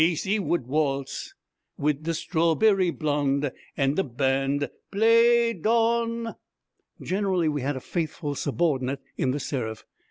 'Casey would waltz wid th' strawberry blonde, And the band play don!' Generally we had a faithful subordinate in The Seraph.